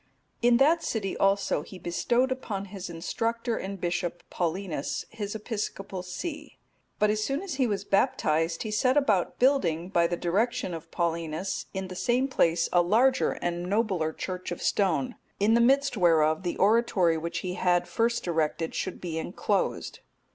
In that city also he bestowed upon his instructor and bishop, Paulinus, his episcopal see. But as soon as he was baptized, he set about building, by the direction of Paulinus, in the same place a larger and nobler church of stone, in the midst whereof the oratory which he had first erected should be enclosed.